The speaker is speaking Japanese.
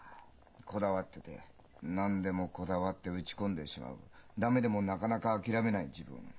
こだわってて何でもこだわって打ち込んでしまう駄目でもなかなか諦めない自分を。